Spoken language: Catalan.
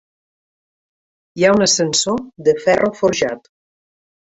Hi ha un ascensor de ferro forjat.